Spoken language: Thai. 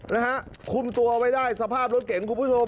นะฮะคุมตัวไว้ได้สภาพรถเก่งคุณผู้ชม